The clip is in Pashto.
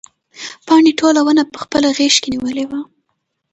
پاڼې ټوله ونه په خپله غېږ کې نیولې وه.